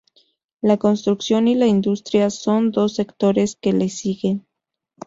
La construcción y la industria son dos sectores que le siguen.